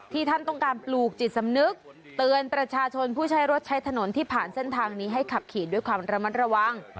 ท่านต้องการปลูกจิตสำนึกเตือนประชาชนผู้ใช้รถใช้ถนนที่ผ่านเส้นทางนี้ให้ขับขี่ด้วยความระมัดระวัง